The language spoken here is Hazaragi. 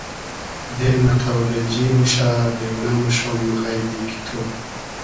دیل مۂ تۆبیلجی موشۂ دېونۂ موشوم غݷدی کی تو